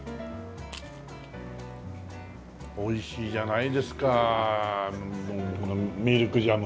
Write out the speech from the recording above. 美味しいじゃないですかこのミルクジャム。